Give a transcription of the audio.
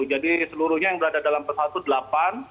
jadi seluruhnya yang berada dalam pesawat itu delapan